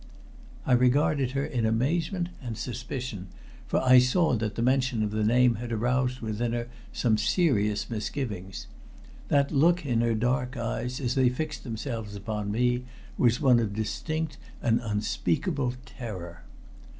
I regarded her in amazement and suspicion, for I saw that mention of the name had aroused within her some serious misgiving. That look in her dark eyes as they fixed themselves upon me was one of distinct and unspeakable terror.